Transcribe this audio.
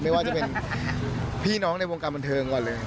ไม่ว่าจะเป็นพี่น้องในวงการบันเทิงก่อนเลย